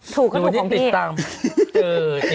ถูกก็ถูกของพี่